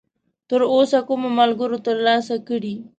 تراوسه کومو ملګرو ترلاسه کړی!؟